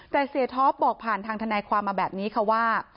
แต่เสียท็อปบอกผ่านทางทนายความมาแบบนี้ค่ะว่า